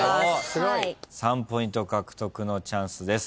３ポイント獲得のチャンスです。